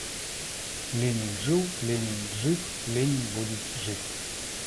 Ленин — жил, Ленин — жив, Ленин — будет жить.